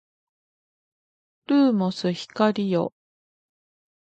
ルーモス光よ